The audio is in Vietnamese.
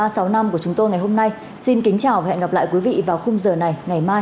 của chúng tôi ngày hôm nay xin kính chào và hẹn gặp lại quý vị vào khung giờ này ngày mai